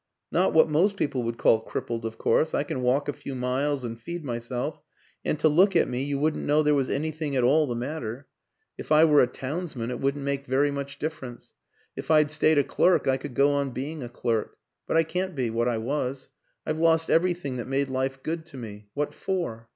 Not what most people would call crippled, of course; I can walk a few miles and feed myself, and to look at me you wouldn't know there was anything at all the mat 258 WILLIAM AN ENGLISHMAN ter. If I were a townsman it wouldn't make very much difference; if I'd stayed a clerk I could go on being a clerk. But I can't be ... what I was. I've lost everything that made life good to me. What for?